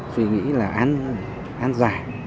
suy nghĩ là ăn dài